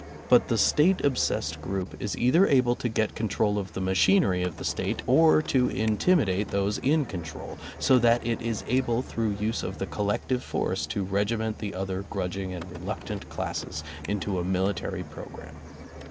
But the State obsessed group is either able to get control of the machinery of the State or to intimi date those in control, so that it is able through use of the collective force to regiment the other grudg ing and reluctant classes into a military pro gramme.